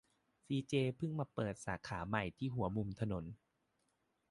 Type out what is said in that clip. ซีเจเพิ่งมาเปิดสาขาใหม่ที่หัวมุมถนน